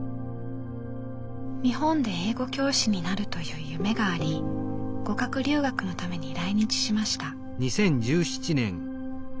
日本で英語教師になるという夢があり語学留学のために来日しました。